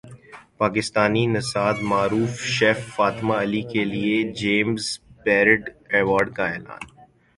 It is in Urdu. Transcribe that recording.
پاکستانی نژاد معروف شیف فاطمہ علی کیلئے جیمز بیئرڈ ایوارڈ کا اعلان